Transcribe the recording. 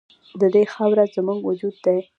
د دې خاوره زموږ وجود دی